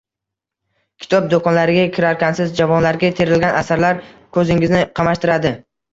Kitob do‘konlariga kirarkansiz javonlarga terilgan asarlar ko‘zingizni qamashtiradi.